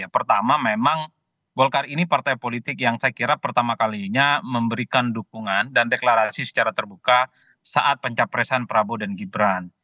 pertama memang golkar ini partai politik yang saya kira pertama kalinya memberikan dukungan dan deklarasi secara terbuka saat pencapresan prabowo dan gibran